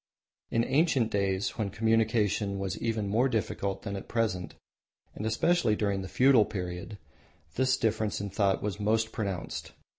In ancient days, when communication was even more difficult than at present, and especially during the feudal period, this difference in thought was most pronounced.